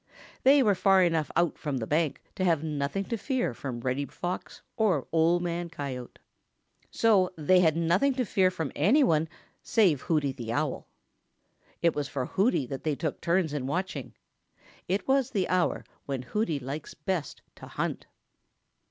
They were far enough out from the bank to have nothing to fear from Reddy Fox or Old Man Coyote. So they had nothing to fear from any one save Hooty the Owl. It was for Hooty that they took turns in watching. It was just the hour when Hooty likes best to hunt.